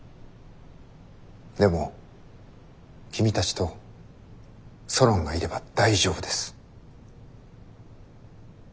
でも君たちとソロンがいれば大丈夫です。